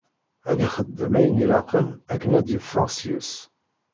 Ad ixdem ayen ilaqen akken ad d-yeffeɣ seg-s.